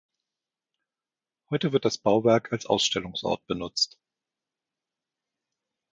Heute wird das Bauwerk als Ausstellungsort benutzt.